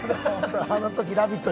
あのとき「ラヴィット！」